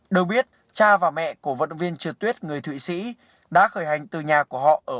được biết cha và mẹ của vận viên trượt tuyết người thụy sĩ đã khởi hành từ nhà của họ ở